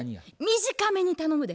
短めに頼むで。